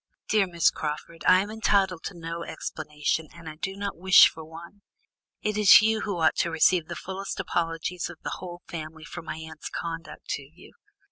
"Dear Miss Crawford, I am entitled to no explanation, and I do not wish for one. It is you who ought to receive the fullest apologies of the whole family for my aunt's conduct to you.